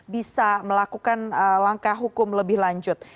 bisa melakukan langkah hukum lebih lanjut